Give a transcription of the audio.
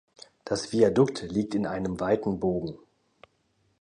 Das Viadukt liegt in einem weiten Bogen.